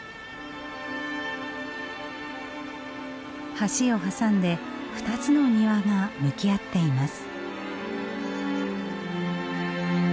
橋を挟んで２つの庭が向き合っています。